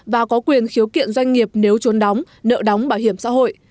và có quyền khiếu kiện doanh nghiệp nếu trốn đóng nợ đóng bảo hiểm xã hội